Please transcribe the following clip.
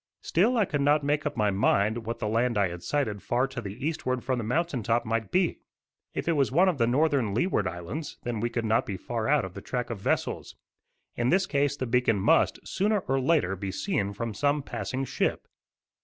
Still I could not make up my mind what the land I had sighted far to the eastward from the mountain top might be. If it was one of the northern Leeward Islands, then we could not be far out of the track of vessels. In this case the beacon must, sooner or later, be seen from some passing ship.